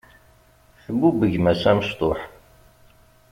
Tbubb gma-s amecṭuḥ.